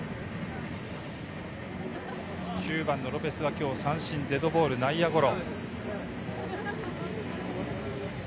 ９番のロペスは今日、三振、デッドボール、内野ゴロ。